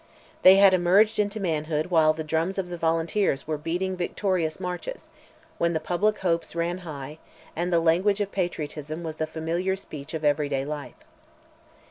They had emerged into manhood while the drums of the Volunteers were beating victorious marches, when the public hopes ran high, and the language of patriotism was the familiar speech of every day life.